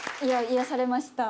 癒やされました。